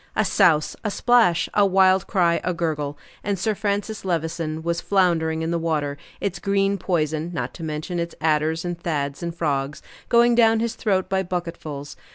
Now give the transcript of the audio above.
A souse, a splash, a wild cry, a gurgle, and Sir Francis Levison was floundering in the water, its green poison, not to mention its adders and toads and frogs, going down his throat by bucketfuls.